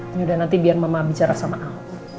enggak nanti biar mama bicara sama aku